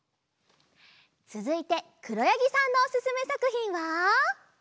つづいてくろやぎさんのおすすめさくひんは。